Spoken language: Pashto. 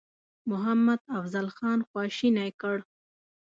محمدافضل خان خواشینی کړ.